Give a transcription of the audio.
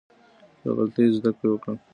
له غلطيو زده کړه وکړئ.